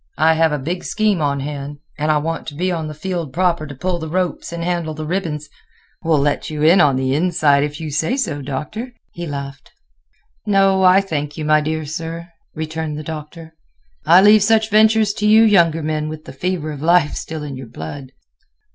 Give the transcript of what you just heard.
I have a big scheme on hand, and want to be on the field proper to pull the ropes and handle the ribbons. We'll let you in on the inside if you say so, Doctor," he laughed. "No, I thank you, my dear sir," returned the Doctor. "I leave such ventures to you younger men with the fever of life still in your blood."